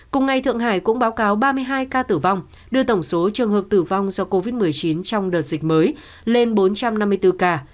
cùng ngày thượng hải cũng báo cáo ba mươi hai ca tử vong đưa tổng số trường hợp tử vong do covid một mươi chín trong đợt dịch mới lên bốn trăm năm mươi bốn ca